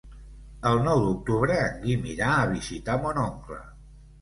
El nou d'octubre en Guim irà a visitar mon oncle.